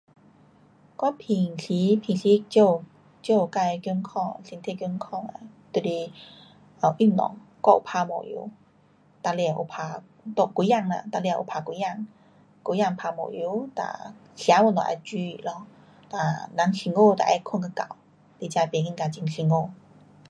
我平时，平时照顾，照顾自的健康，身体健康啊就是 um 运动，我有打毛球，每星期有打，几天啦，每礼拜有打几天。几天打毛球，哒吃什么得煮咯，um 人辛苦得要睡个够。你才不觉得很辛苦。